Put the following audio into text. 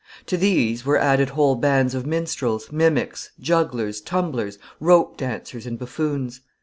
To these were added whole bands of minstrels, mimics, jugglers, tumblers, rope dancers, and buffoons.